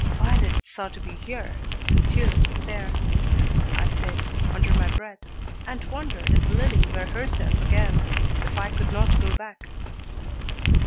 "Violets are to be here and tulips there," I said, under my breath, and wondered if Lillie were herself again, if I could not go back.